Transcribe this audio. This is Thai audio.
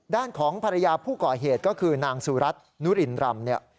ด้านของภรรยาผู้ก่อเหตุก็คือนางสุรัตน์นุรินรำเนี่ย